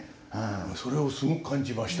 それをすごく感じました。